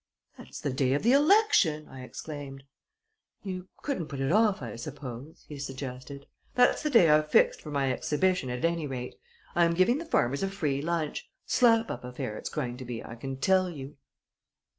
"That's the day of the election!" I exclaimed. "You couldn't put it off, I suppose?" he suggested. "That's the day I've fixed for my exhibition at any rate. I am giving the farmers a free lunch slap up affair it's going to be, I can tell you!"